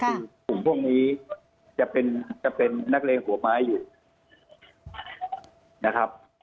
ก็คือกลุ่มพวกนี้จะเป็นนักเรียนหัวม้ายอยู่นะครับ